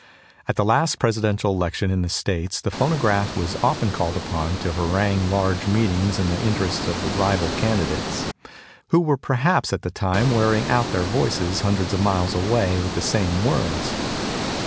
At the last Presidential Election in the States the phonograph was often called upon to harangue large meetings in the interests of the rival candidates, who were perhaps at the time wearing out their voices hundreds of miles away with the same words.